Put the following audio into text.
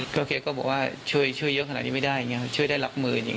เค้าก็บอกว่าช่วยเยอะขนาดนี้ไม่ได้ช่วยได้หลับมือ